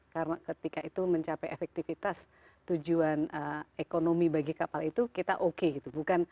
karena ketika itu mencapai efektivitas tujuan ekonomi bagi kapal itu kita oke gitu